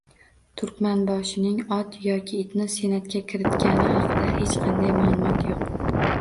Turkmanboshining ot yoki itni senatga kiritgani haqida hech qanday ma'lumot yo'q